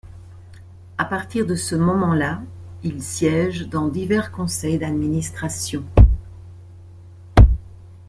À partir de ce moment-là, il siège dans divers conseils d'administration.